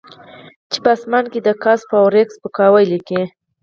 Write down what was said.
چې په اسمان کې د ګس فارویک سپکاوی لیکي